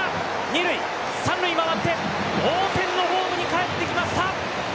二塁、三塁回って同点のホームに帰ってきました！